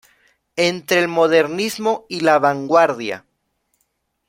Entre el modernismo y la vanguardia".